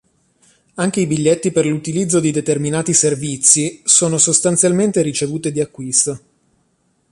Anche i biglietti per l'utilizzo di determinati servizi sono sostanzialmente ricevute di acquisto.